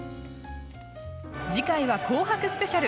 次回は紅白スペシャル。